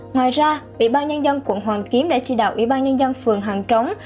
ngoài ra ủy ban nhân dân quận hoàn kiếm đã chỉ đạo ủy ban nhân dân phường hàng trống